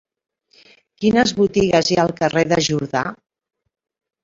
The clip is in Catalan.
Quines botigues hi ha al carrer de Jordà?